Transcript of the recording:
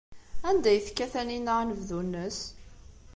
Anda ay tekka Taninna anebdu-nnes?